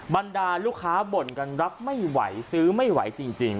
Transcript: บรรดาลูกค้าบ่นกันรับไม่ไหวซื้อไม่ไหวจริง